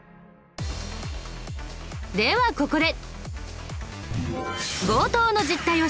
ではここで。